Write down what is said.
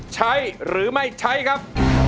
ใช้หรือไม่ใช้ครับ